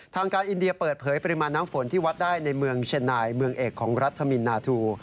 ทางการอินเดียเปิดเผยปริมาณน้ำฝนที่วัดได้ในเมืองเชียงนายเมืองเอกของรัฐมินนาทู